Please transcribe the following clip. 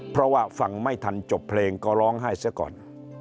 เพราะว่าฟังไม่ทันจบเพลงก็ร้องไห้เสียก่อน